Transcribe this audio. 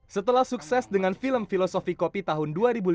setelah sukses dengan film filosofi kopi tahun dua ribu lima belas